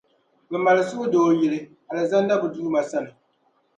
Bɛ mali suhudoo yili, Alizanda bɛ Duuma sani.